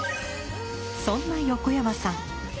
そんな横山さん